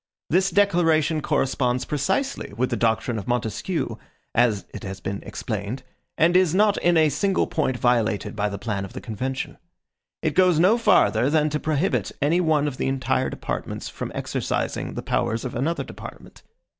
This declaration corresponds precisely with the doctrine of Montesquieu, as it has been explained, and is not in a single point violated by the plan of the convention. It goes no farther than to prohibit any one of the entire departments from exercising the powers of another department.